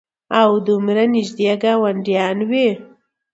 او دومره نېږدې ګاونډيان وي